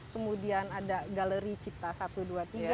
kemudian ada galeri cipta satu ratus dua puluh tiga